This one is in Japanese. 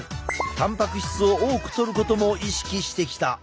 たんぱく質を多くとることも意識してきた。